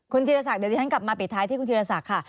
คุณธีรศักดิเดี๋ยวที่ฉันกลับมาปิดท้ายที่คุณธีรศักดิ์ค่ะ